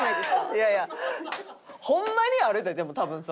いやいやホンマにあるででも多分それ。